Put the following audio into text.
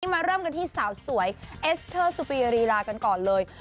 มาเริ่มกันที่สาวสวยเอสเตอร์สุปีรีลากันก่อนเลย